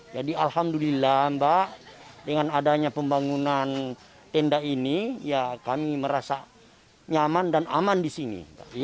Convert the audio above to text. jadi alhamdulillah mbak dengan adanya pembangunan tenda ini kami merasa nyaman dan aman di sini